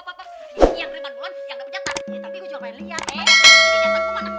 yang beriman bulan yang dapet jatah